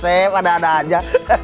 sepp ada ada aja